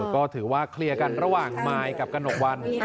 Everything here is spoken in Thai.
ก็ถือว่าเคลียร์กันระหว่างมายกับกระหนกวัน